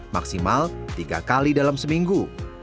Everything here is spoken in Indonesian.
maksimal tiga kali dalam seminggu